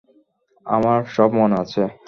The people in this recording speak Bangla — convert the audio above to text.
আমার সব মনে আছে।